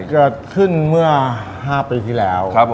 เกิดขึ้นเมื่อ๕ปีที่แล้ว